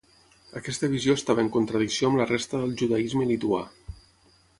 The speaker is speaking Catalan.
Aquesta visió estava en contradicció amb la resta del judaisme lituà.